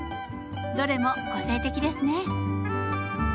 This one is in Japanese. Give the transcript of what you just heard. どれも個性的ですね。